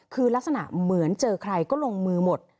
คือลักษณะเหมือนเจอใครก็ลงมือหมด